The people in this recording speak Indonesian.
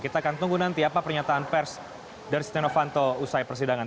kita akan tunggu nanti apa pernyataan pers dari setia novanto usai persidangan